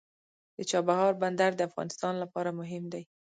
د چابهار بندر د افغانستان لپاره مهم دی.